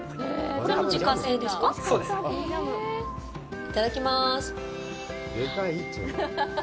いただきます。